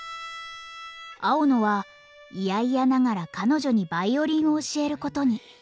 青野はいやいやながら彼女にヴァイオリンを教えることに。